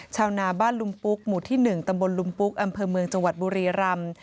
ชาวนาบ้านลุมปุ๊กหมู่ที่๑ตำบลลุมปุ๊กอำเภอเมืองจังหวัดบุรีรำ